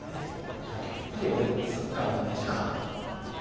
やっぱり俺ってサッカーのイメージか。